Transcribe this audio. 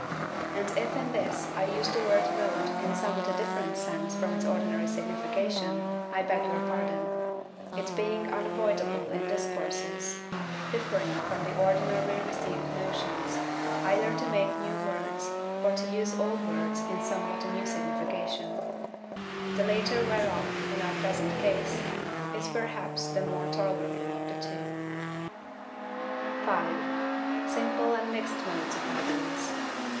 And if in this I use the word mode in somewhat a different sense from its ordinary signification, I beg pardon; it being unavoidable in discourses, differing from the ordinary received notions, either to make new words, or to use old words in somewhat a new signification; the later whereof, in our present case, is perhaps the more tolerable of the two. 5. Simple and mixed Modes of Ideas.